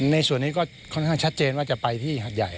ในส่วนนี้ก็ค่อนข้างชัดเจนว่าจะไปที่หัดใหญ่